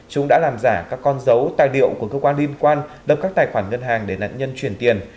chúng đã làm giả các con dấu tài liệu của cơ quan liên quan lập các tài khoản ngân hàng để nạn nhân chuyển tiền